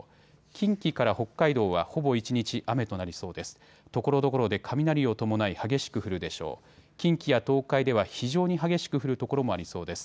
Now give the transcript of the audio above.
近畿から北海道はほぼ一日雨となりそうです。